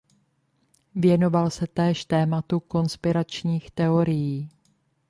Věnoval se též tématu konspiračních teorií.